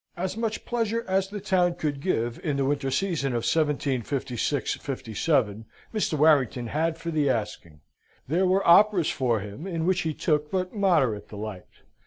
As much pleasure as the town could give in the winter season of 1756 57, Mr. Warrington had for the asking. There were operas for him, in which he took but moderate delight.